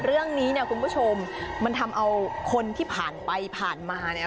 เรื่องนี้คุณผู้ชมมันทำเอาคนที่ผ่านไปผ่านมา